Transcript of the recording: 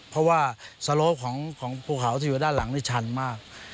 เพราะว่าสโลปของภูเขาที่อยู่ด้านหลังนี่ชันมาก